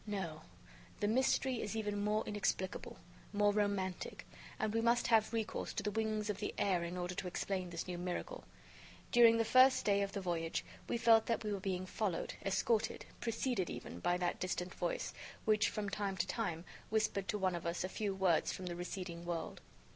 No, the mystery is even more inexplicable, more romantic, and we must have recourse to the wings of the air in order to explain this new miracle. During the first day of the voyage, we felt that we were being followed, escorted, preceded even, by that distant voice, which, from time to time, whispered to one of us a few words from the receding world.